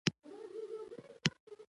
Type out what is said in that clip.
زړه مې غوښتل چې ژر مولوي صاحب وگورم.